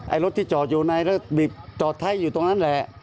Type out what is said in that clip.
รถที่จอดอยู่ในแล้วบีบจอดท้ายอยู่ตรงนั้นแหละ